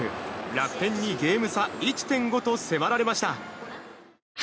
楽天にゲーム差１．５と迫られました。